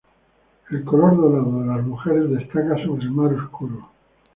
El color dorado de las mujeres destaca sobre el mar oscuro.